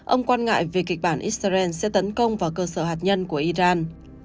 ông quan ngại về kịch bản israel sẽ tấn công vào cơ sở hạt nhân của iran